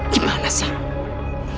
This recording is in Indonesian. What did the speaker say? di mana sih